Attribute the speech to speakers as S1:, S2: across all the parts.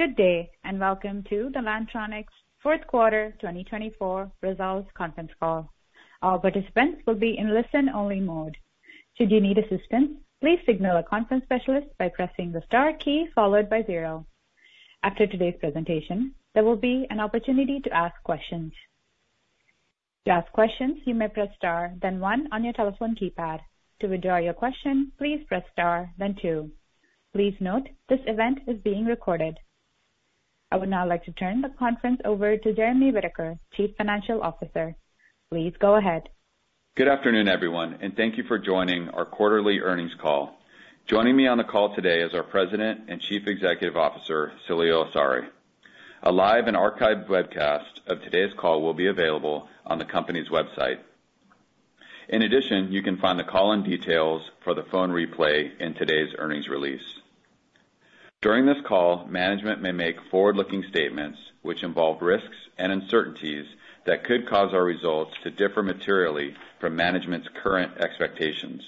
S1: Good day, and welcome to the Lantronix Fourth Quarter 2024 results conference call. All participants will be in listen-only mode. Should you need assistance, please signal a conference specialist by pressing the star key followed by zero. After today's presentation, there will be an opportunity to ask questions. To ask questions, you may press star, then one on your telephone keypad. To withdraw your question, please press star, then two. Please note, this event is being recorded. I would now like to turn the conference over to Jeremy Whitaker, Chief Financial Officer. Please go ahead.
S2: Good afternoon, everyone, and thank you for joining our quarterly earnings call. Joining me on the call today is our President and Chief Executive Officer, Saleel Awsare. A live and archived webcast of today's call will be available on the company's website. In addition, you can find the call-in details for the phone replay in today's earnings release. During this call, management may make forward-looking statements which involve risks and uncertainties that could cause our results to differ materially from management's current expectations.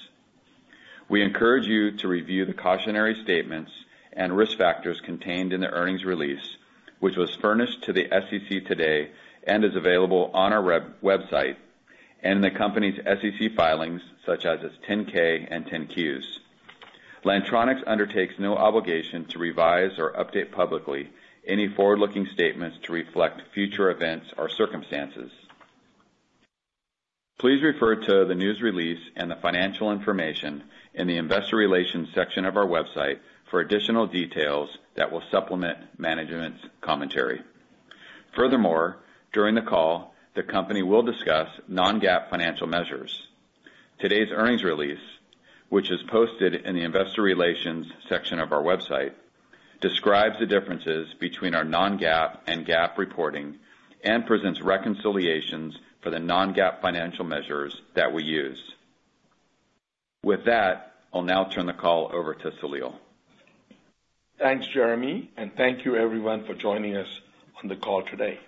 S2: We encourage you to review the cautionary statements and risk factors contained in the earnings release, which was furnished to the SEC today and is available on our website, and the company's SEC filings, such as its 10-K and 10-Qs. Lantronix undertakes no obligation to revise or update publicly any forward-looking statements to reflect future events or circumstances. Please refer to the news release and the financial information in the investor relations section of our website for additional details that will supplement management's commentary. Furthermore, during the call, the company will discuss non-GAAP financial measures. Today's earnings release, which is posted in the investor relations section of our website, describes the differences between our non-GAAP and GAAP reporting and presents reconciliations for the non-GAAP financial measures that we use. With that, I'll now turn the call over to Saleel.
S3: Thanks, Jeremy, and thank you everyone for joining us on the call today.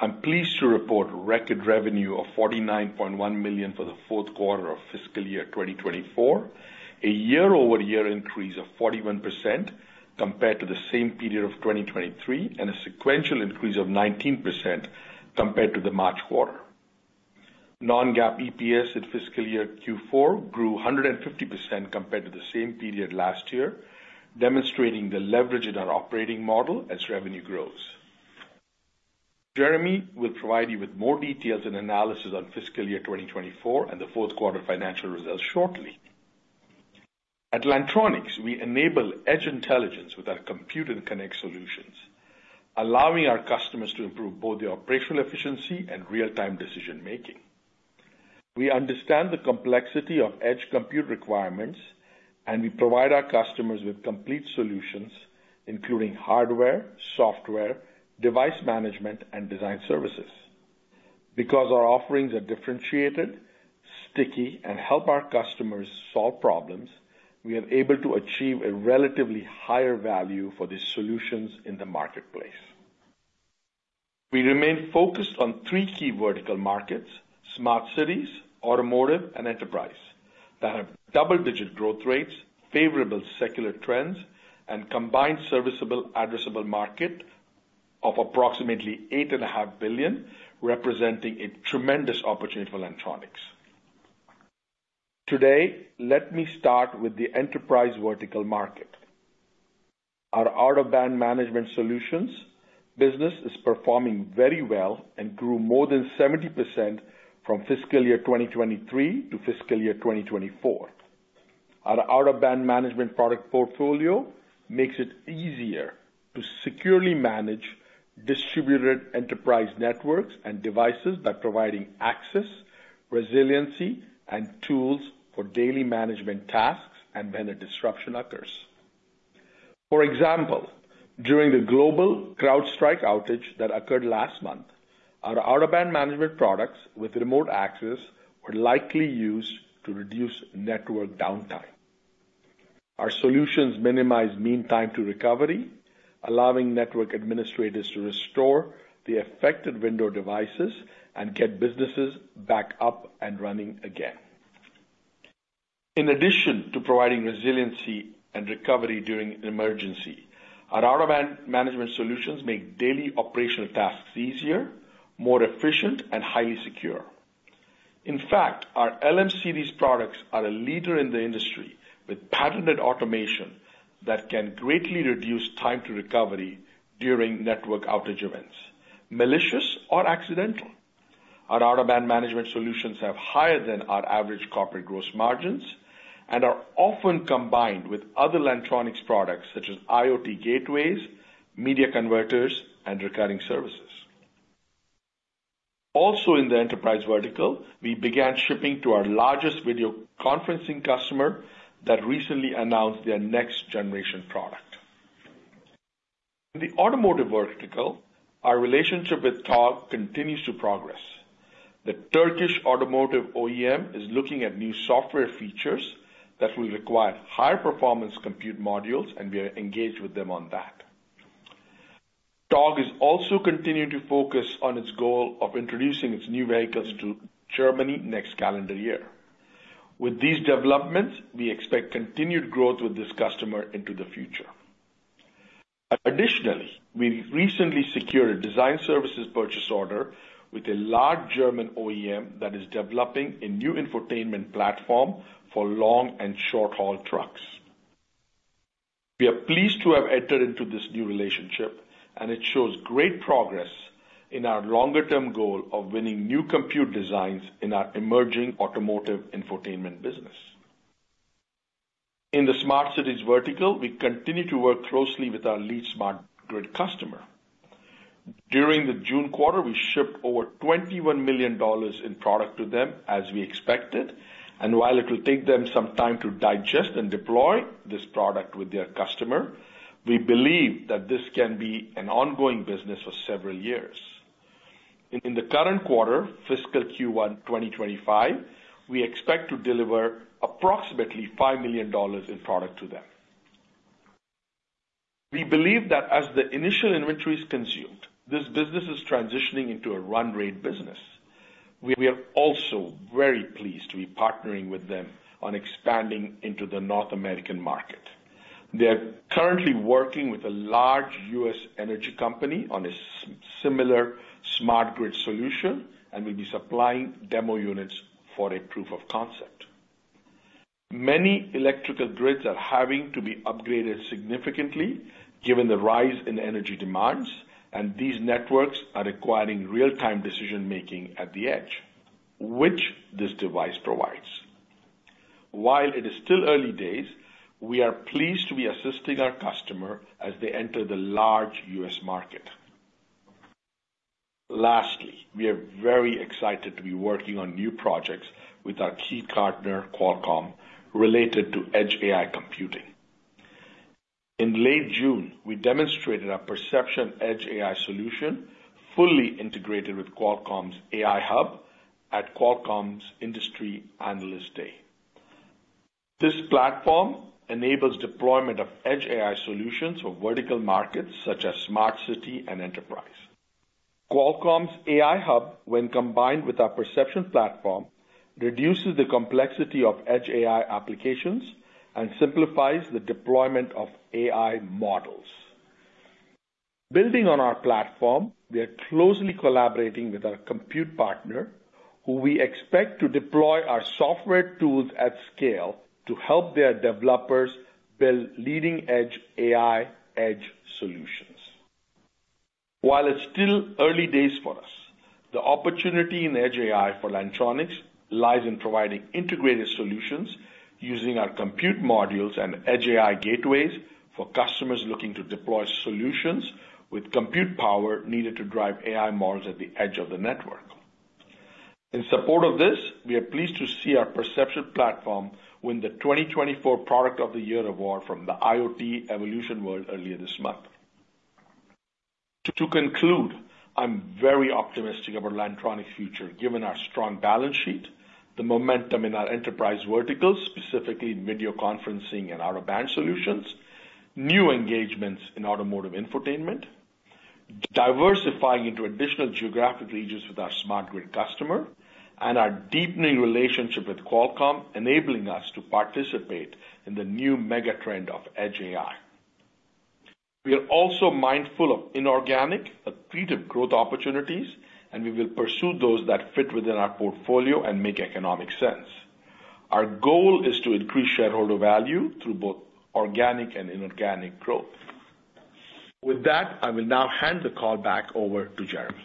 S3: I'm pleased to report record revenue of $49.1 million for the fourth quarter of fiscal year 2024, a year-over-year increase of 41% compared to the same period of 2023, and a sequential increase of 19% compared to the March quarter. Non-GAAP EPS at fiscal year Q4 grew 150% compared to the same period last year, demonstrating the leverage in our operating model as revenue grows. Jeremy will provide you with more details and analysis on fiscal year 2024 and the fourth quarter financial results shortly. At Lantronix, we enable edge intelligence with our compute and connect solutions, allowing our customers to improve both their operational efficiency and real-time decision-making. We understand the complexity of edge compute requirements, and we provide our customers with complete solutions, including hardware, software, device management, and design services. Because our offerings are differentiated, sticky, and help our customers solve problems, we are able to achieve a relatively higher value for these solutions in the marketplace. We remain focused on three key vertical markets: smart cities, automotive, and enterprise, that have double-digit growth rates, favorable secular trends, and combined serviceable addressable market of approximately $8.5 billion, representing a tremendous opportunity for Lantronix. Today, let me start with the enterprise vertical market. Our out-of-band management solutions business is performing very well and grew more than 70% from fiscal year 2023 to fiscal year 2024. Our out-of-band management product portfolio makes it easier to securely manage distributed enterprise networks and devices by providing access, resiliency, and tools for daily management tasks, and when a disruption occurs. For example, during the global CrowdStrike outage that occurred last month, our out-of-band management products with remote access were likely used to reduce network downtime. Our solutions minimize mean time to recovery, allowing network administrators to restore the affected Windows devices and get businesses back up and running again. In addition to providing resiliency and recovery during an emergency, our out-of-band management solutions make daily operational tasks easier, more efficient, and highly secure. In fact, our LM-Series products are a leader in the industry with patented automation that can greatly reduce time to recovery during network outage events, malicious or accidental. Our out-of-band management solutions have higher than our average corporate gross margins and are often combined with other Lantronix products such as IoT gateways, media converters, and recurring services. Also, in the enterprise vertical, we began shipping to our largest video conferencing customer that recently announced their next generation product. In the automotive vertical, our relationship with Togg continues to progress. The Turkish automotive OEM is looking at new software features that will require higher performance compute modules, and we are engaged with them on that. Togg is also continuing to focus on its goal of introducing its new vehicles to Germany next calendar year. With these developments, we expect continued growth with this customer into the future. Additionally, we've recently secured a design services purchase order with a large German OEM that is developing a new infotainment platform for long and short-haul trucks. We are pleased to have entered into this new relationship, and it shows great progress in our longer-term goal of winning new compute designs in our emerging automotive infotainment business. In the smart cities vertical, we continue to work closely with our lead smart grid customer. During the June quarter, we shipped over $21 million in product to them, as we expected, and while it will take them some time to digest and deploy this product with their customer, we believe that this can be an ongoing business for several years. In the current quarter, fiscal Q1 2025, we expect to deliver approximately $5 million in product to them. We believe that as the initial inventory is consumed, this business is transitioning into a run rate business. We are also very pleased to be partnering with them on expanding into the North American market. They are currently working with a large U.S. energy company on a similar smart grid solution, and we'll be supplying demo units for a proof of concept. Many electrical grids are having to be upgraded significantly given the rise in energy demands, and these networks are requiring real-time decision-making at the edge, which this device provides. While it is still early days, we are pleased to be assisting our customer as they enter the large U.S. market. Lastly, we are very excited to be working on new projects with our key partner, Qualcomm, related to edge AI computing. In late June, we demonstrated our Percepxion edge AI solution, fully integrated with Qualcomm's AI Hub at Qualcomm's Industry Analyst Day. This platform enables deployment of edge AI solutions for vertical markets, such as smart city and enterprise. Qualcomm's AI Hub, when combined with our Percepxion platform, reduces the complexity of edge AI applications and simplifies the deployment of AI models. Building on our platform, we are closely collaborating with our compute partner, who we expect to deploy our software tools at scale to help their developers build leading-edge AI edge solutions. While it's still early days for us, the opportunity in edge AI for Lantronix lies in providing integrated solutions using our compute modules and edge AI gateways for customers looking to deploy solutions with compute power needed to drive AI models at the edge of the network. In support of this, we are pleased to see our Percepxion platform win the twenty twenty-four Product of the Year Award from the IoT Evolution World earlier this month. To conclude, I'm very optimistic about Lantronix's future, given our strong balance sheet, the momentum in our enterprise verticals, specifically in video conferencing and out-of-band solutions, new engagements in automotive infotainment, diversifying into additional geographic regions with our smart grid customer, and our deepening relationship with Qualcomm, enabling us to participate in the new mega trend of edge AI. We are also mindful of inorganic accretive growth opportunities, and we will pursue those that fit within our portfolio and make economic sense. Our goal is to increase shareholder value through both organic and inorganic growth. With that, I will now hand the call back over to Jeremy.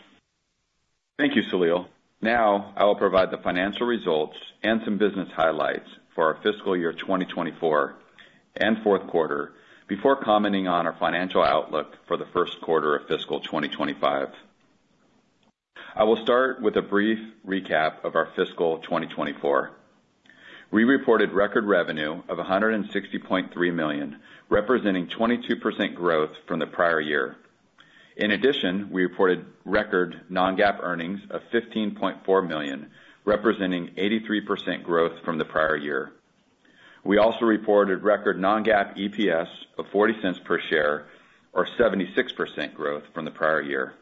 S2: Thank you, Saleel. Now, I will provide the financial results and some business highlights for our fiscal year 2024 and fourth quarter, before commenting on our financial outlook for the first quarter of fiscal 2025. I will start with a brief recap of our fiscal 2024. We reported record revenue of $160.3 million, representing 22% growth from the prior year. In addition, we reported record non-GAAP earnings of $15.4 million, representing 83% growth from the prior year. We also reported record non-GAAP EPS of $0.40 per share, or 76% growth from the prior year.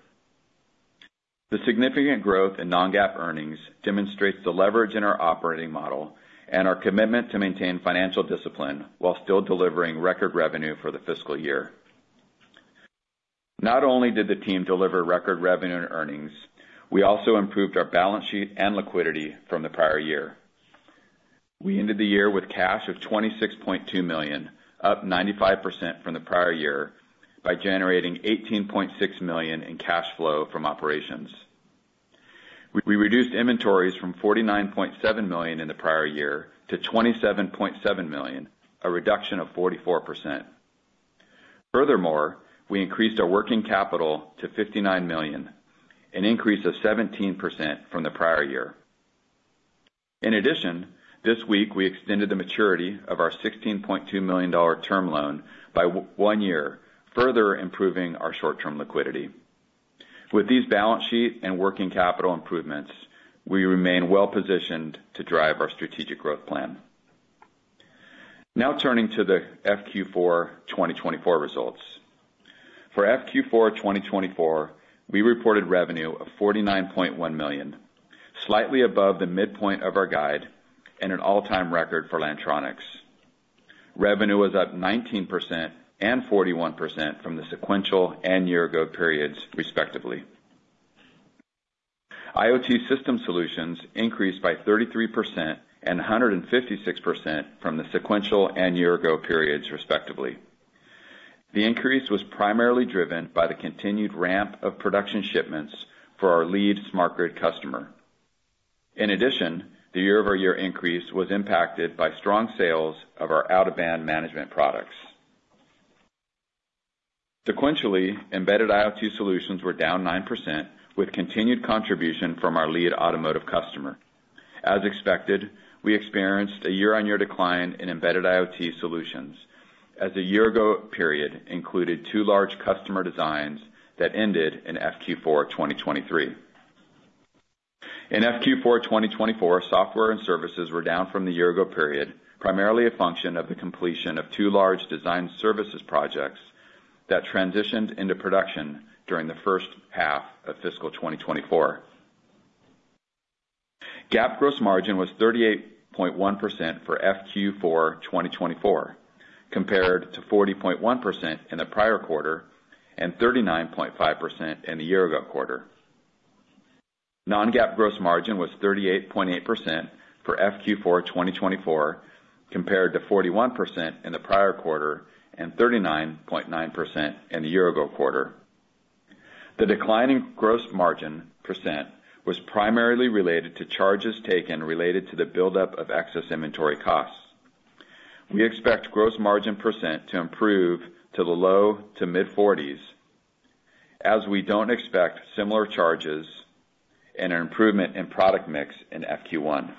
S2: The significant growth in non-GAAP earnings demonstrates the leverage in our operating model and our commitment to maintain financial discipline, while still delivering record revenue for the fiscal year. Not only did the team deliver record revenue and earnings, we also improved our balance sheet and liquidity from the prior year. We ended the year with cash of $26.2 million, up 95% from the prior year, by generating $18.6 million in cash flow from operations. We reduced inventories from $49.7 million in the prior year to $27.7 million, a reduction of 44%. Furthermore, we increased our working capital to $59 million, an increase of 17% from the prior year. In addition, this week, we extended the maturity of our $16.2 million dollar term loan by one year, further improving our short-term liquidity. With these balance sheet and working capital improvements, we remain well positioned to drive our strategic growth plan. Now turning to the FQ4 2024 results. For FQ4 2024, we reported revenue of $49.1 million, slightly above the midpoint of our guide and an all-time record for Lantronix. Revenue was up 19% and 41% from the sequential and year ago periods, respectively. IoT system solutions increased by 33% and 156% from the sequential and year ago periods, respectively. The increase was primarily driven by the continued ramp of production shipments for our lead smart grid customer. In addition, the year-over-year increase was impacted by strong sales of our out-of-band management products. Sequentially, embedded IoT solutions were down 9%, with continued contribution from our lead automotive customer. As expected, we experienced a year-on-year decline in embedded IoT solutions, as the year ago period included two large customer designs that ended in FQ4 2023. In FQ4 2024, software and services were down from the year ago period, primarily a function of the completion of two large design services projects that transitioned into production during the first half of fiscal 2024. GAAP gross margin was 38.1% for FQ4 2024, compared to 40.1% in the prior quarter and 39.5% in the year ago quarter. Non-GAAP gross margin was 38.8% for FQ4 2024, compared to 41% in the prior quarter and 39.9% in the year ago quarter. The decline in gross margin percent was primarily related to charges taken related to the buildup of excess inventory costs. We expect gross margin percent to improve to the low to mid 40s%, as we don't expect similar charges and an improvement in product mix in FQ1.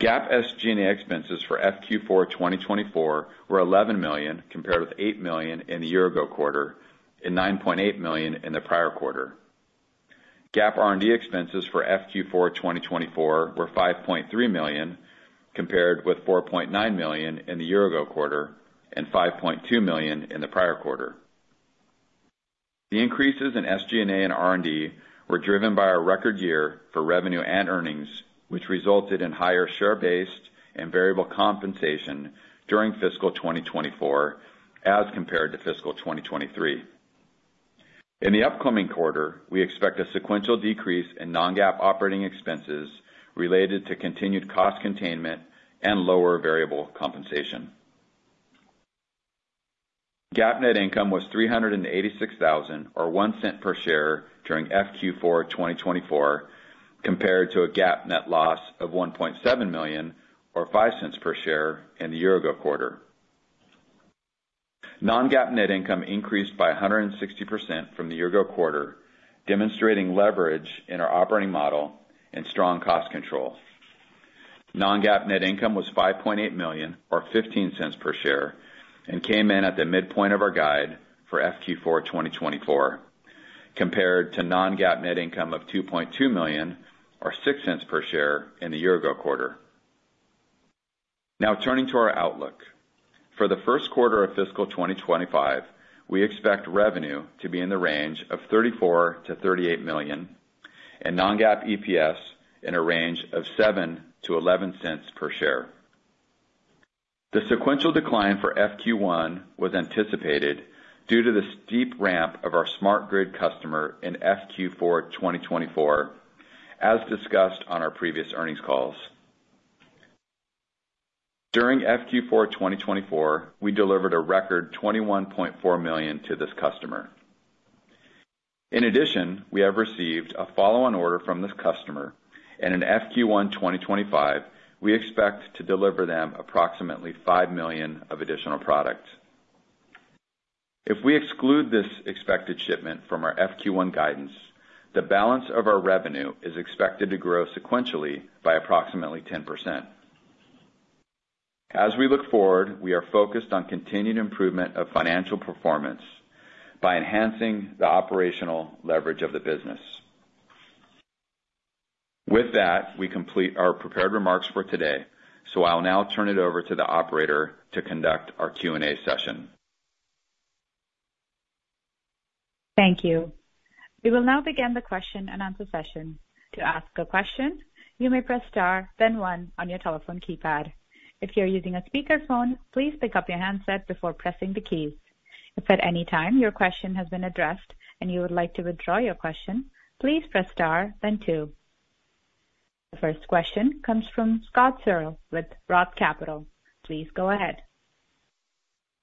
S2: GAAP SG&A expenses for FQ4 2024 were $11 million, compared with $8 million in the year ago quarter and $9.8 million in the prior quarter. GAAP R&D expenses for FQ4 2024 were $5.3 million, compared with $4.9 million in the year ago quarter and $5.2 million in the prior quarter. The increases in SG&A and R&D were driven by our record year for revenue and earnings, which resulted in higher share-based and variable compensation during fiscal 2024 as compared to fiscal 2023. In the upcoming quarter, we expect a sequential decrease in non-GAAP operating expenses related to continued cost containment and lower variable compensation. GAAP net income was $386,000 or $0.01 per share, during FQ4 2024, compared to a GAAP net loss of $1.7 million, or $0.05 per share, in the year ago quarter. Non-GAAP net income increased by 160% from the year ago quarter, demonstrating leverage in our operating model and strong cost control. Non-GAAP net income was $5.8 million or $0.15 per share, and came in at the midpoint of our guide for FQ4 2024, compared to non-GAAP net income of $2.2 million or $0.06 per share, in the year ago quarter. Now turning to our outlook. For the first quarter of fiscal 2025, we expect revenue to be in the range of $34 million-$38 million, and non-GAAP EPS in a range of $0.07-$0.11 per share. The sequential decline for FQ1 was anticipated due to the steep ramp of our smart grid customer in FQ4 2024, as discussed on our previous earnings calls. During FQ4 2024, we delivered a record $21.4 million to this customer. In addition, we have received a follow-on order from this customer, and in FQ1 2025, we expect to deliver them approximately five million of additional products. If we exclude this expected shipment from our FQ1 guidance, the balance of our revenue is expected to grow sequentially by approximately 10%. As we look forward, we are focused on continued improvement of financial performance by enhancing the operational leverage of the business. With that, we complete our prepared remarks for today, so I'll now turn it over to the operator to conduct our Q&A session.
S1: Thank you. We will now begin the question-and-answer session. To ask a question, you may press star, then one on your telephone keypad. If you're using a speakerphone, please pick up your handset before pressing the key. If at any time your question has been addressed and you would like to withdraw your question, please press star then two. The first question comes from Scott Searle with Roth Capital. Please go ahead.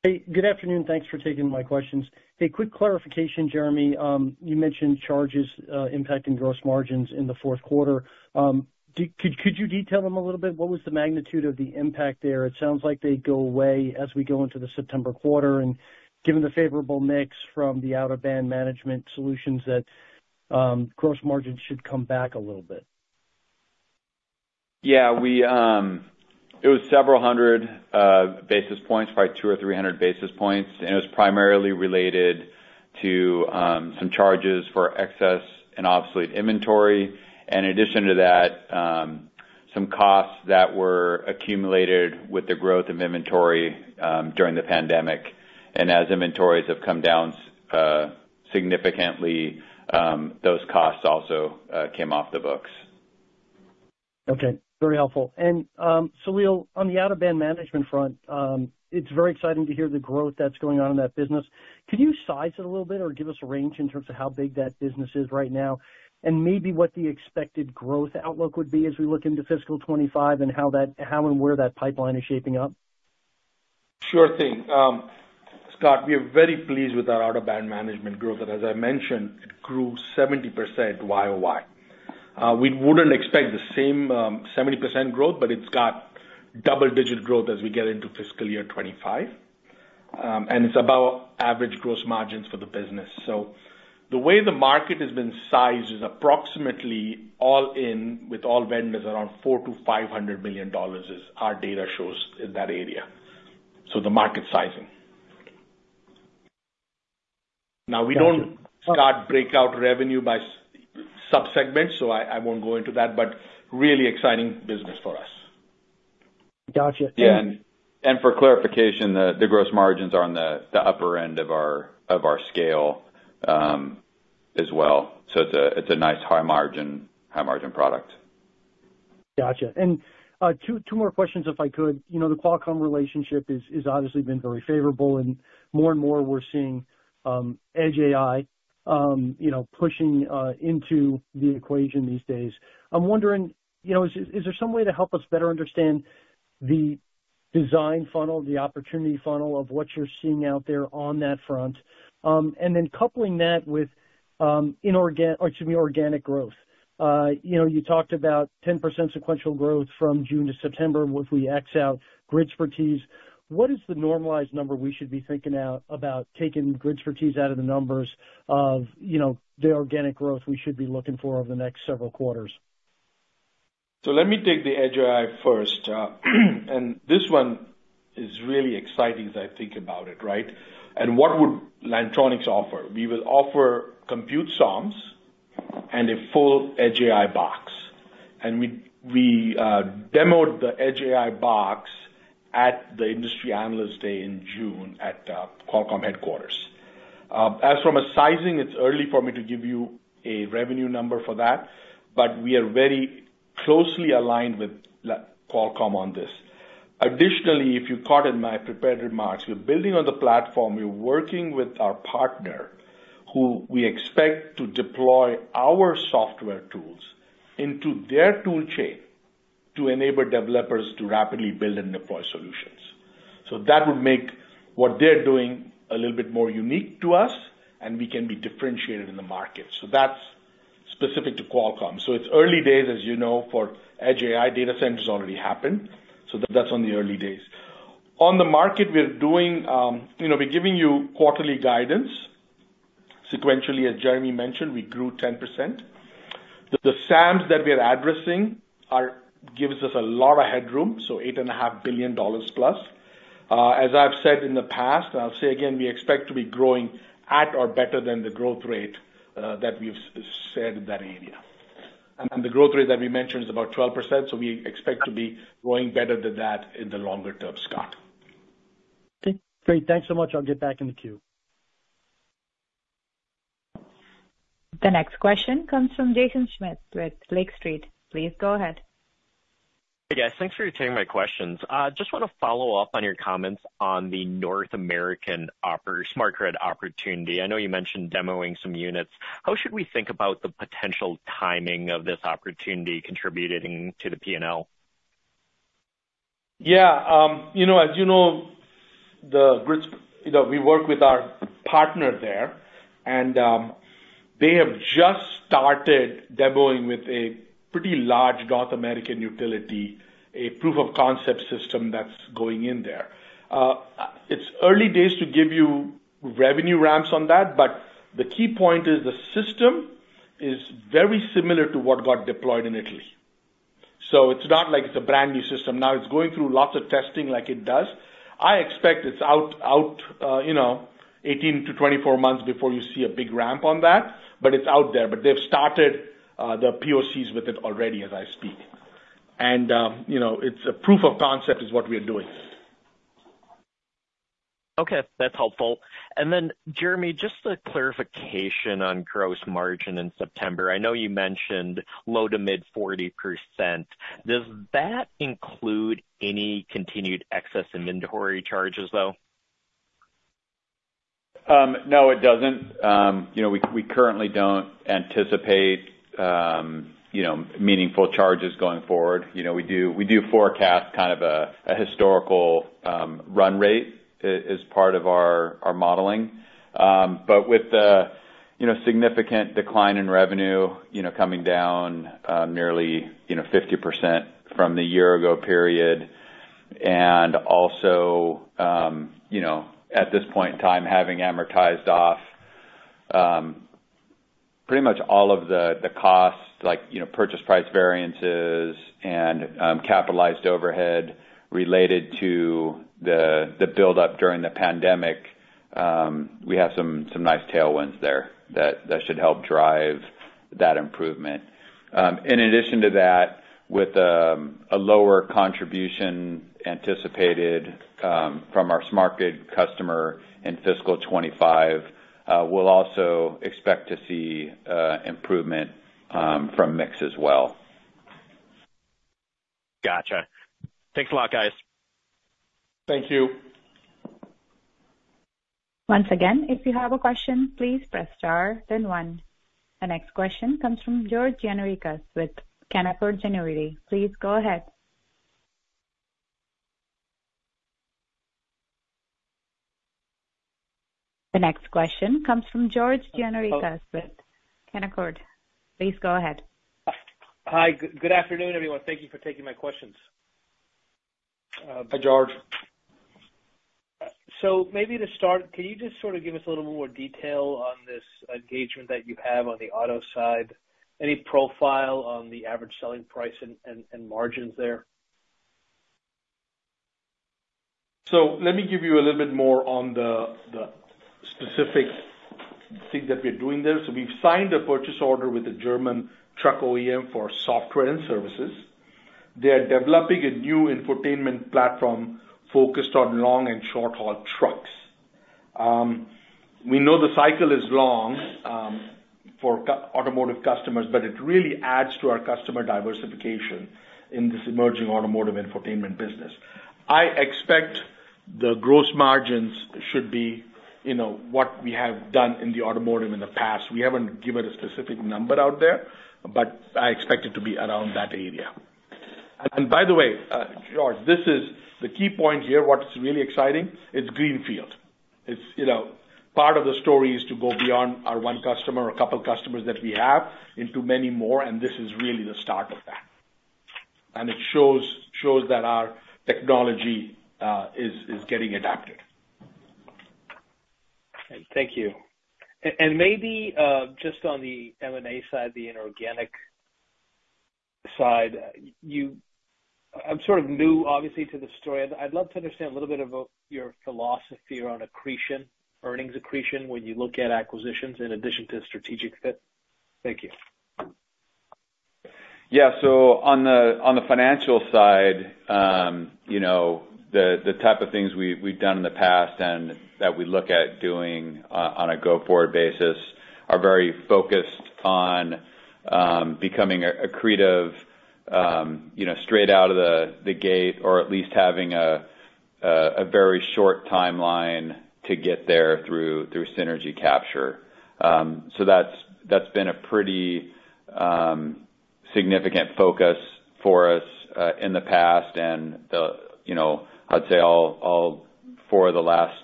S4: Hey, good afternoon. Thanks for taking my questions. A quick clarification, Jeremy. You mentioned charges impacting gross margins in the fourth quarter. Could you detail them a little bit? What was the magnitude of the impact there? It sounds like they go away as we go into the September quarter, and given the favorable mix from the out-of-band management solutions, that gross margins should come back a little bit.
S2: Yeah, it was several hundred basis points, probably two or three hundred basis points, and it was primarily related to some charges for excess and obsolete inventory, and in addition to that, some costs that were accumulated with the growth of inventory during the pandemic. And as inventories have come down significantly, those costs also came off the books.
S4: Okay, very helpful. And, Saleel, on the out-of-band management front, it's very exciting to hear the growth that's going on in that business. Could you size it a little bit or give us a range in terms of how big that business is right now, and maybe what the expected growth outlook would be as we look into fiscal 2025 and how and where that pipeline is shaping up?
S3: Sure thing. Scott, we are very pleased with our out-of-band management growth, and as I mentioned, it grew 70% YoY. We wouldn't expect the same, 70% growth, but it's got double-digit growth as we get into fiscal year 2025. And it's about average gross margins for the business. So the way the market has been sized is approximately all in, with all vendors, around $400 million-$500 million as our data shows in that area, so the market sizing. Now, we don't break out revenue by sub-segments, so I won't go into that, but really exciting business for us.
S4: Gotcha.
S2: Yeah, and for clarification, the gross margins are on the upper end of our scale, as well. So it's a nice high margin product.
S4: Gotcha. And, two more questions, if I could. You know, the Qualcomm relationship is obviously been very favorable, and more and more we're seeing Edge AI, you know, pushing into the equation these days. I'm wondering, you know, is there some way to help us better understand the design funnel, the opportunity funnel of what you're seeing out there on that front? And then coupling that with, or excuse me, organic growth. You know, you talked about 10% sequential growth from June to September, if we X out Gridspertise. What is the normalized number we should be thinking out about taking Gridspertise out of the numbers of, you know, the organic growth we should be looking for over the next several quarters?
S3: So let me take the Edge AI first. And this one is really exciting as I think about it, right? And what would Lantronix offer? We will offer compute SoMs and a full Edge AI box. And we demoed the Edge AI box at the Industry Analyst Day in June at Qualcomm headquarters. As from a sizing, it's early for me to give you a revenue number for that, but we are very closely aligned with Qualcomm on this. Additionally, if you caught in my prepared remarks, we're building on the platform, we're working with our partner, who we expect to deploy our software tools into their tool chain to enable developers to rapidly build and deploy solutions. So that would make what they're doing a little bit more unique to us, and we can be differentiated in the market. So that's specific to Qualcomm. So it's early days, as you know, for Edge AI. Data centers already happened, so that's on the early days. On the market, we're doing, you know, we're giving you quarterly guidance. Sequentially, as Jeremy mentioned, we grew 10%. The SAMs that we are addressing are - gives us a lot of headroom, so $8.5 billion plus. As I've said in the past, I'll say again, we expect to be growing at or better than the growth rate that we've set in that area. And the growth rate that we mentioned is about 12%, so we expect to be growing better than that in the longer term, Scott.
S4: Okay, great. Thanks so much. I'll get back in the queue.
S1: The next question comes from Jaeson Schmidt with Lake Street. Please go ahead.
S5: Hey, guys. Thanks for taking my questions. Just want to follow up on your comments on the North American smart grid opportunity. I know you mentioned demoing some units. How should we think about the potential timing of this opportunity contributing to the P&L?
S3: Yeah. You know, as you know, the grids, you know, we work with our partner there, and they have just started demoing with a pretty large North American utility, a proof of concept system that's going in there. It's early days to give you revenue ramps on that, but the key point is the system is very similar to what got deployed in Italy. So it's not like it's a brand-new system. Now, it's going through lots of testing like it does. I expect it's out, you know, eighteen to twenty-four months before you see a big ramp on that, but it's out there. But they've started the POCs with it already as I speak. And you know, it's a proof of concept is what we are doing.
S5: Okay, that's helpful. And then, Jeremy, just a clarification on gross margin in September. I know you mentioned low to mid 40%. Does that include any continued excess inventory charges, though?
S2: No, it doesn't. You know, we currently don't anticipate you know, meaningful charges going forward. You know, we do forecast kind of a historical run rate as part of our modeling. But with the you know, significant decline in revenue you know, coming down nearly you know, 50% from the year ago period, and also you know, at this point in time, having amortized off pretty much all of the costs, like you know, purchase price variances and capitalized overhead related to the buildup during the pandemic, we have some nice tailwinds there that should help drive that improvement. In addition to that, with a lower contribution anticipated from our smart grid customer in fiscal 2025, we'll also expect to see improvement from mix as well.
S5: Gotcha. Thanks a lot, guys.
S3: Thank you.
S1: Once again, if you have a question, please press star then one. The next question comes from George Gianarikas with Canaccord Genuity. Please go ahead.
S6: Hi. Good, good afternoon, everyone. Thank you for taking my questions.
S3: Hi, George.
S6: So maybe to start, can you just sort of give us a little more detail on this engagement that you have on the auto side? Any profile on the average selling price and margins there?
S3: So let me give you a little bit more on the specific thing that we're doing there. So we've signed a purchase order with a German truck OEM for software and services. They are developing a new infotainment platform focused on long and short-haul trucks. We know the cycle is long for automotive customers, but it really adds to our customer diversification in this emerging automotive infotainment business. I expect the gross margins should be, you know, what we have done in the automotive in the past. We haven't given a specific number out there, but I expect it to be around that area. And by the way, George, this is the key point here, what's really exciting, it's greenfield. It's, you know, part of the story is to go beyond our one customer or a couple customers that we have into many more, and this is really the start of that. And it shows that our technology is getting adapted.
S6: Thank you. And maybe just on the M&A side, the inorganic side, I'm sort of new, obviously, to the story. I'd love to understand a little bit about your philosophy on accretion, earnings accretion, when you look at acquisitions in addition to strategic fit. Thank you.
S2: Yeah. So on the financial side, you know, the type of things we've done in the past and that we look at doing on a go-forward basis are very focused on becoming accretive, you know, straight out of the gate, or at least having a very short timeline to get there through synergy capture. So that's been a pretty significant focus for us in the past. And you know, I'd say all four of the last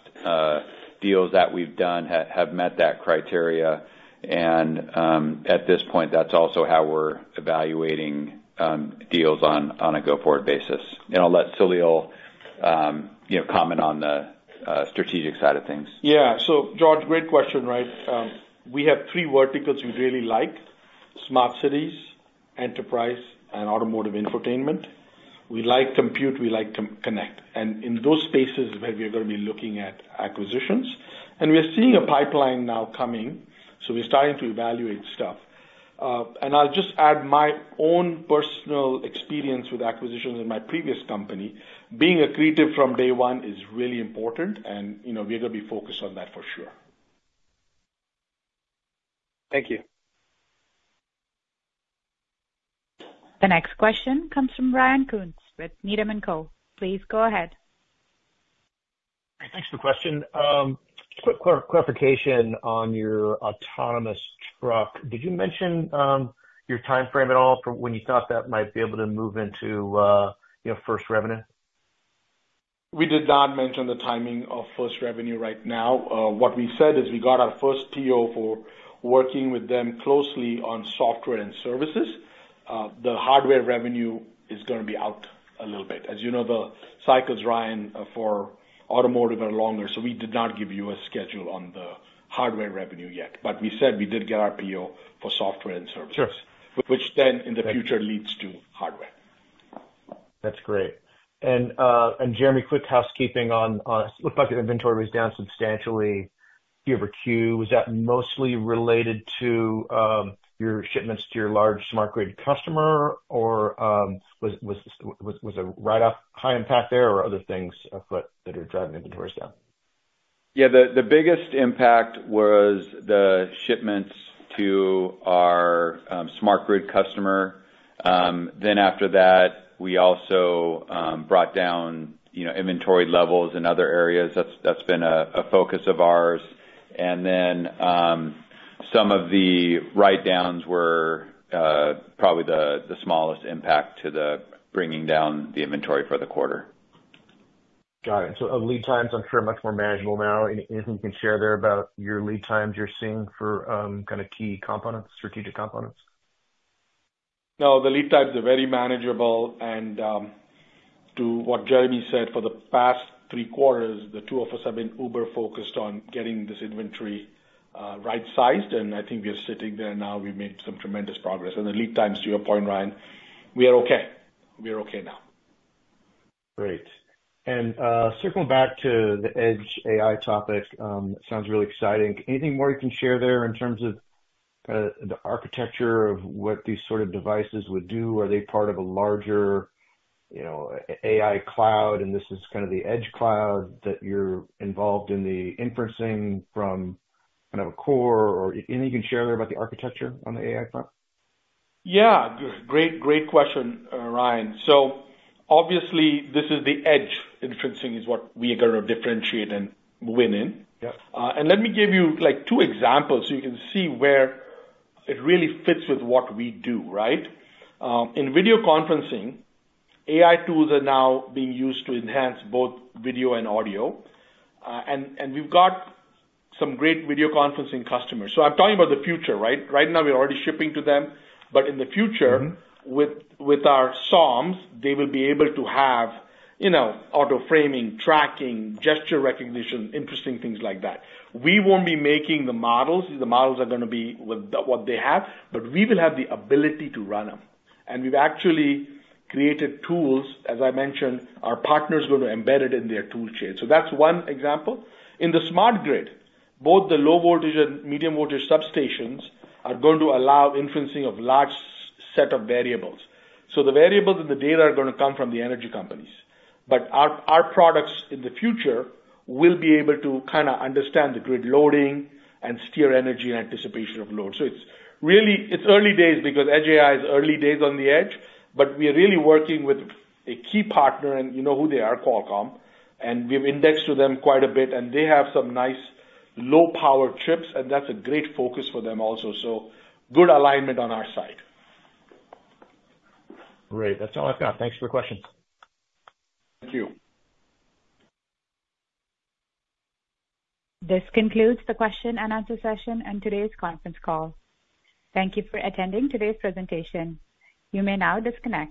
S2: deals that we've done have met that criteria, and at this point, that's also how we're evaluating deals on a go-forward basis. And I'll let Saleel you know, comment on the strategic side of things.
S3: Yeah. So George, great question, right? We have three verticals we really like: smart cities, enterprise, and automotive infotainment. We like compute, we like connect, and in those spaces is where we are gonna be looking at acquisitions. And we are seeing a pipeline now coming, so we're starting to evaluate stuff. And I'll just add my own personal experience with acquisitions in my previous company. Being accretive from day one is really important, and, you know, we're gonna be focused on that for sure.
S6: Thank you.
S1: The next question comes from Ryan Koontz with Needham and Co. Please go ahead.
S7: Thanks for the question. Quick clarification on your autonomous truck. Did you mention your timeframe at all for when you thought that might be able to move into, you know, first revenue?
S3: We did not mention the timing of first revenue right now. What we said is we got our first PO for working with them closely on software and services. The hardware revenue is gonna be out a little bit. As you know, the cycles, Ryan, for automotive are longer, so we did not give you a schedule on the hardware revenue yet. But we said we did get our PO for software and services.
S7: Sure.
S3: -which then, in the future, leads to hardware.
S7: That's great, and Jeremy, quick housekeeping on. It looked like your inventory was down substantially Q over Q. Was that mostly related to your shipments to your large smart grid customer, or was a write-off high impact there, or other things afoot that are driving inventories down?
S2: Yeah, the biggest impact was the shipments to our smart grid customer. Then after that, we also brought down, you know, inventory levels in other areas. That's been a focus of ours. And then, some of the write-downs were probably the smallest impact to the bringing down the inventory for the quarter.
S7: Got it. So, lead times, I'm sure, are much more manageable now. Anything you can share there about your lead times you're seeing for, kind of key components, strategic components?...
S3: No, the lead times are very manageable, and, to what Jeremy said, for the past three quarters, the two of us have been uber focused on getting this inventory, right-sized, and I think we are sitting there now. We've made some tremendous progress. And the lead times, to your point, Ryan, we are okay. We are okay now.
S7: Great. And, circling back to the Edge AI topic, sounds really exciting. Anything more you can share there in terms of, the architecture of what these sort of devices would do? Are they part of a larger, you know, AI cloud, and this is kind of the edge cloud that you're involved in the inferencing from kind of a core, or anything you can share there about the architecture on the AI front?
S3: Yeah, great, great question, Ryan. So obviously, this is the edge inferencing is what we are gonna differentiate and move in.
S7: Yeah.
S3: And let me give you, like, two examples so you can see where it really fits with what we do, right? In video conferencing, AI tools are now being used to enhance both video and audio. And we've got some great video conferencing customers. So I'm talking about the future, right? Right now, we're already shipping to them, but in the future-
S7: Mm-hmm.
S3: With our SOMs, they will be able to have, you know, auto framing, tracking, gesture recognition, interesting things like that. We won't be making the models. The models are gonna be with the what they have, but we will have the ability to run them. We've actually created tools. As I mentioned, our partners are gonna embed it in their tool chain. So that's one example. In the smart grid, both the low voltage and medium voltage substations are going to allow inferencing of large set of variables. So the variables and the data are gonna come from the energy companies. But our products in the future will be able to kinda understand the grid loading and steer energy in anticipation of load. So it's really early days because Edge AI is early days on the edge, but we are really working with a key partner, and you know who they are Qualcomm, and we've indexed to them quite a bit, and they have some nice low-power chips, and that's a great focus for them also. So good alignment on our side.
S7: Great. That's all I've got. Thanks for the question.
S3: Thank you.
S1: This concludes the question and answer session and today's conference call. Thank you for attending today's presentation. You may now disconnect.